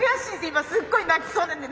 今すっごい泣きそうなんで。